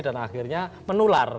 dan akhirnya menular